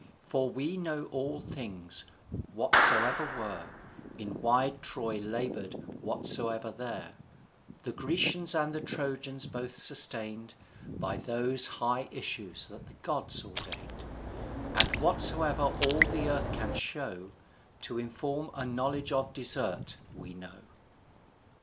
For we know all things, whatsoever were In wide Troy labor'd, whatsoever there The Grecians and the Trojans both sustain'd, By those high issues that the gods ordain'd; And whatsoever all the earth can show To inform a knowledge of desert, we know.